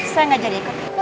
saya gak jadi ikut